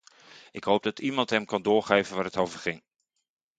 Ik hoop dat iemand hem kan doorgeven waar het over ging.